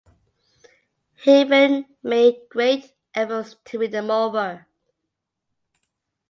Haven made great efforts to win them over.